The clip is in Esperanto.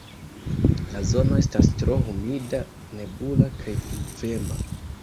La zono estas tro humida, nebula kaj pluvema.